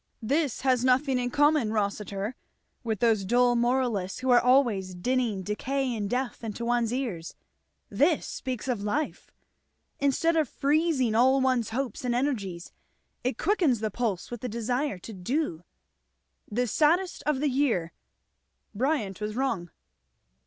This has nothing in common, Rossitur, with those dull moralists who are always dinning decay and death into one's ears; this speaks of Life. Instead of freezing all one's hopes and energies, it quickens the pulse with the desire to do. 'The saddest of the year' Bryant was wrong."